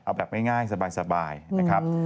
เอาแบบง่ายสบายนะครับ